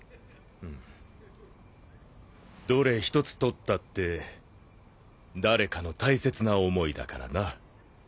どれひとつ取ったって誰かの大切な思いだからな。